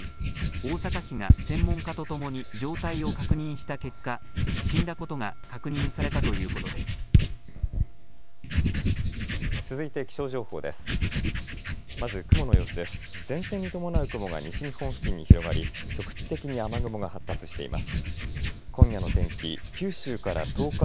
大阪市が専門家とともに状態を確認した結果、死んだことが確認されたということです。